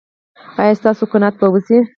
ایا ستاسو قناعت به وشي؟